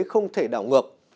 không thể đào ngược